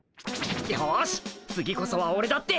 よし次こそはオレだって。